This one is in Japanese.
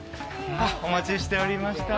お待ちしておりました。